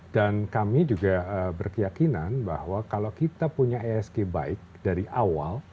dan kami juga berkeyakinan bahwa kalau kita punya esg baik dari awal